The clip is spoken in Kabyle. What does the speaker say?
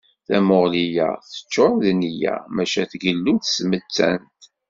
Tamuɣli-a teččur d nniya, maca tgellu-d s tmettant.